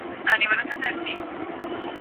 یا به نن یا به سباوي زه ورځمه